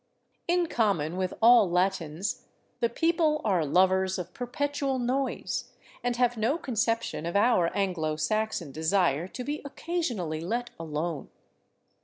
In common with all Latins, the people are lovers of perpetual noise, and have no conception of our Anglo Saxon desire to be occasionally let alone.